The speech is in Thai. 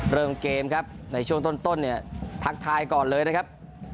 เริ่มเกมครับในช่วงต้นเนี่ยทักทายก่อนเลยนะครับ